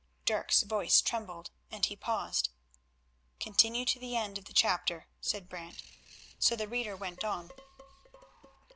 Dirk's voice trembled, and he paused. "Continue to the end of the chapter," said Brant, so the reader went on.